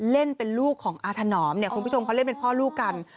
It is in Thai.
เล่นเป็นลูกของอาถนอมเนี่ยคุณผู้ชมเขาเล่นเป็นพ่อลูกกัน